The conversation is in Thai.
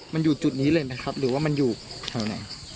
มันอยู่จุดนี้เลยนะครับหรือว่ามันอยู่แถวไหน